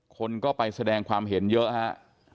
คนก็ไปแสดงความเห็นเยอะฮะ